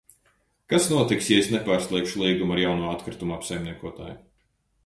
Kas notiks, ja es nepārslēgšu līgumu ar jauno atkritumu apsaimniekotāju?